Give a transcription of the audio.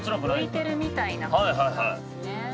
浮いてるみたいな感じになるんですね。